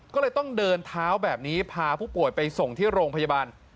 ก็เลยต้องเดินเท้าแบบนี้พาผู้ป่วยไปส่งที่โรงพยาบาล